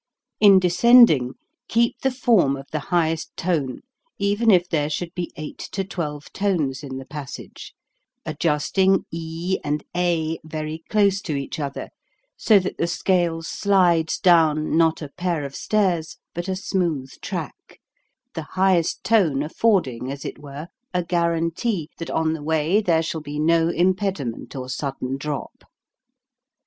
In descending, keep the form of the high est tone, even if there should be eight to twelve tones in the passage, adjusting e and a very close to each other, so that the scale slides down, not a pair of stairs, but a smooth track, the highest tone affording, as it were, a guarantee that on the way there shall be VELOCITY 253 no impediment or sudden drop.